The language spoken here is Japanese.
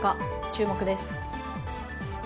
注目です。